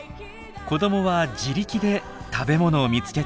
子どもは自力で食べ物を見つけていました。